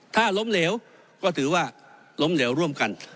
ถ้าล้มเหลวก็ถือว่าล้มเหลวร่วมกัน